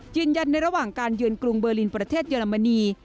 ยืนยันในระหว่างการเยือนกรุงเบอร์ลินประเทศเยอรมนี